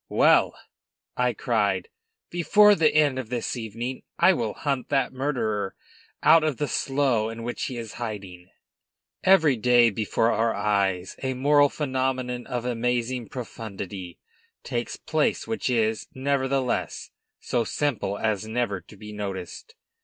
"Well," I cried, "before the end of this evening, I will hunt that murderer out of the slough in which he is hiding." Every day, before our eyes, a moral phenomenon of amazing profundity takes place which is, nevertheless, so simple as never to be noticed.